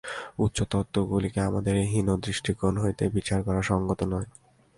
উচ্চ তত্ত্বগুলিকে আমাদের এই হীন দৃষ্টিকোণ হইতে বিচার করা সঙ্গত নয়।